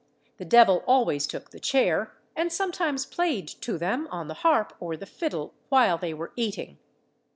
The devil always took the chair, and sometimes played to them on the harp or the fiddle while they were eating.